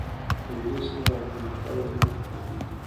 که ویروس نه وي نو فایل نه خرابېږي.